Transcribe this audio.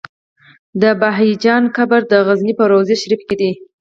د بهايي جان قبر د غزنی په روضه شريفه کی دی